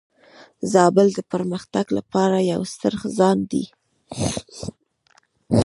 زابل د پرمختګ لپاره یو ستر ځای دی.